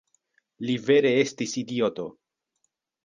Li vere estis idioto!